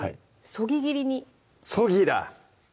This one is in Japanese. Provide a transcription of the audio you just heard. そぎ切りにそぎだ！